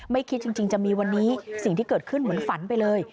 คิดจริงจะมีวันนี้สิ่งที่เกิดขึ้นเหมือนฝันไปเลย